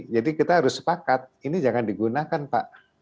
jadi kita harus sepakat ini jangan digunakan pak